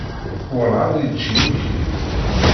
Werɛad yečči imekli.